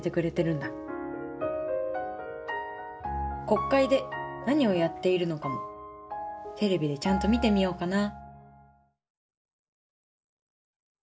国会で何をやっているのかもテレビでちゃんと見てみようかな